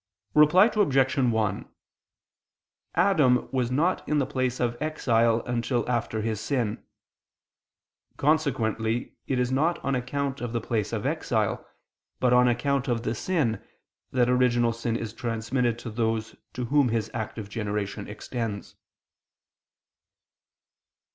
Reply Obj. 1: Adam was not in the place of exile until after his sin. Consequently it is not on account of the place of exile, but on account of the sin, that original sin is transmitted to those to whom his active generation extends.